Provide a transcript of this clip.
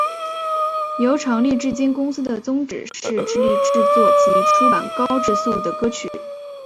由成立至今公司的宗旨是致力制作及出版高质素的歌曲。